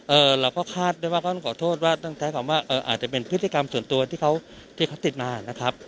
เราก็คาดได้ว่าเขาต้องขอโทษว่าต้องใช้คำว่าเอ่ออาจจะเป็นพฤติกรรมส่วนตัวที่เขาที่เขาติดมานะครับ